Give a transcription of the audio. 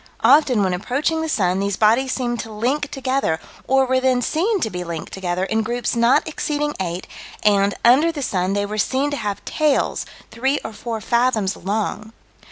Often, when approaching the sun, these bodies seemed to link together, or were then seen to be linked together, in groups not exceeding eight, and, under the sun, they were seen to have tails three or four fathoms long.